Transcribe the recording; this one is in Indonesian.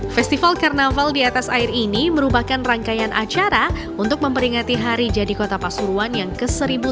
festival karnaval di atas air ini merupakan rangkaian acara untuk memperingati hari jadi kota pasuruan yang ke seribu delapan ratus